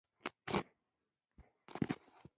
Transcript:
افغانستان د سیلاني ځایونو له امله نړیوال شهرت لري.